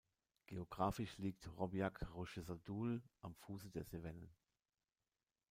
Geographisch liegt Robiac-Rochessadoule am Fuße der Cevennen.